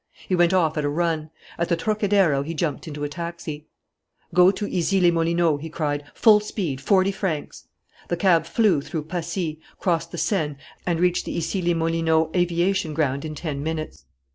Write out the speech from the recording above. He went off at a run. At the Trocadéro he jumped into a taxi. "Go to Issy les Moulineaux!" he cried. "Full speed! Forty francs!" The cab flew through Passy, crossed the Seine and reached the Issy les Moulineaux aviation ground in ten minutes.